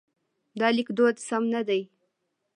دا لیکدود سم نه دی.